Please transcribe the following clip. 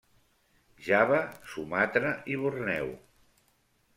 Java, Sumatra i Borneo.